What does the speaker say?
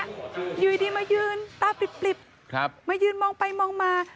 อยู่ดีมายืนตาปลิบมายืนมองไปมองมา